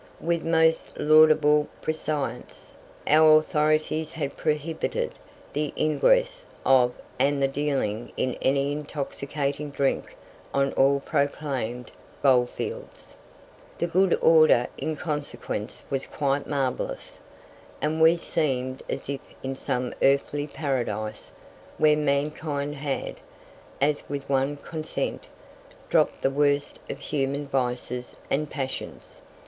With most laudable prescience, our authorities had prohibited the ingress of and the dealing in any intoxicating drink on all proclaimed goldfields. The good order in consequence was quite marvellous, and we seemed as if in some earthly paradise, where mankind had, as with one consent, dropped the worst of human vices and passions.